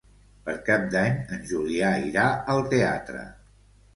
Per Cap d'Any en Julià irà al teatre.